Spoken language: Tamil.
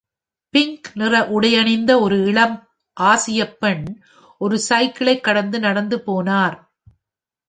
பிங்க் நிற உடையணிந்த ஒரு இளம் ஆசியப் பெண் ஓர் சைக்கிளைக் கடந்து நடந்துபோனார்.